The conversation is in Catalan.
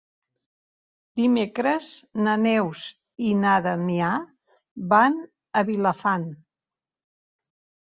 Dimecres na Neus i na Damià van a Vilafant.